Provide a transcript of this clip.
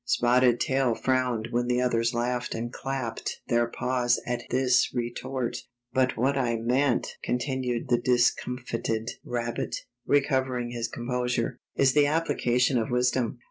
Spotted Tail frowned when the others laughed and clapped their paws at this retort. "But what I meant," continued the discom The Test of Wits 53 fitted rabbit, recovering his composure, "is the application of wisdom.